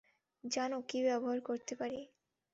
জানো কী ব্যবহার করতে পারি?